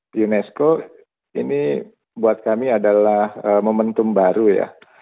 di unesco ini buat kami adalah momentum baru ya